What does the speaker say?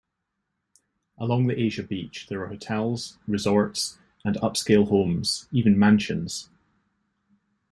Along the Asia Beach there are hotels, resorts, and upscale homes, even mansions.